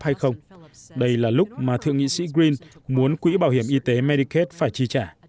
hay không đây là lúc mà thượng nghị sĩ green muốn quỹ bảo hiểm y tế medicate phải chi trả